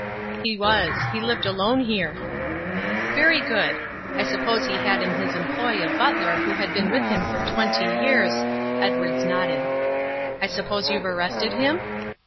"He was. He lived alone here." "Very good, I suppose he had in his employ a butler who had been with him for twenty years " Edwards nodded. "I suppose you've arrested him?"